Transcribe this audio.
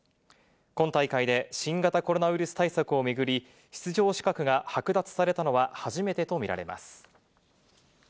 今大会で新型コロナウイルス対策を巡り、出場資格が剥奪されたのは初めてと見られます。